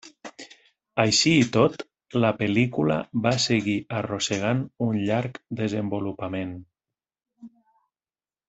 Així i tot, la pel·lícula va seguir arrossegant un llarg desenvolupament.